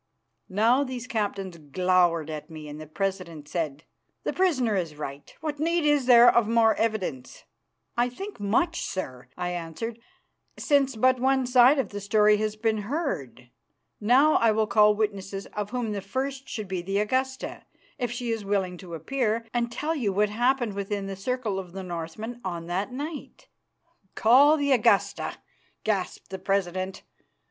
Now these captains glowered at me and the president said, "The prisoner is right. What need is there of more evidence?" "I think much, sir," I answered, "since but one side of the story has been heard. Now I will call witnesses, of whom the first should be the Augusta, if she is willing to appear and tell you what happened within the circle of the Northmen on that night." "Call the Augusta!" gasped the president.